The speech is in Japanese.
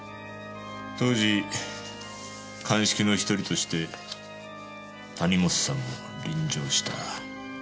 当時鑑識の一人として谷本さんも臨場した。